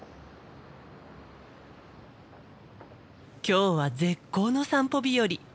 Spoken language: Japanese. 今日は絶好の散歩日和。